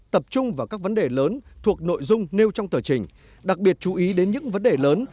tập trung vào các vấn đề lớn thuộc nội dung nêu trong tờ trình đặc biệt chú ý đến những vấn đề lớn